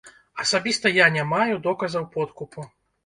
Асабіста я не маю доказаў подкупу.